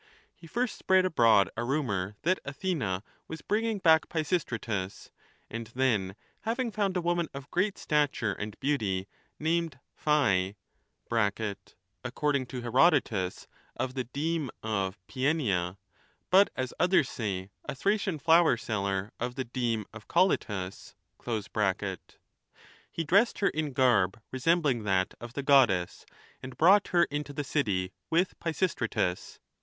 He first spread abroad a rumour that Athena was bringing back Pisistratus, and then, having found a woman of great stature and beauty, named Phye (according to Herodotus, of the deme of Paeania, but as others say a Thracian flower seller of the deme of Collytus), he dressed her in garb resembling that of the goddess and brought her into the city with Pisistratus.